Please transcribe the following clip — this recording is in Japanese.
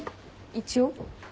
一応。